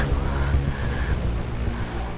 and fu riana bahkan berdua